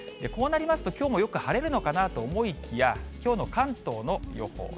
こうなりますと、きょうもよく晴れるのかなと思いきや、きょうの関東の予報。